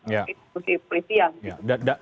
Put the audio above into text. institusi polisi yang